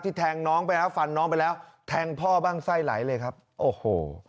แทงน้องไปแล้วฟันน้องไปแล้วแทงพ่อบ้างไส้ไหลเลยครับโอ้โห